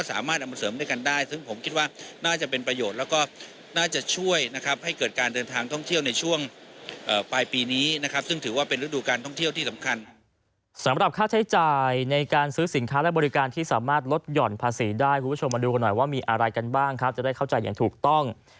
สำหรับค่าใช้จ่ายในการซื้อสินค้าและบริการที่สามารถลดหย่อนภาษีได้คุณผู้ชมมาดูกันหน่อยว่ามีอะไรกันบ้างครับจะได้เข้าใจอย่างถูกต้อง